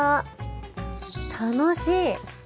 楽しい！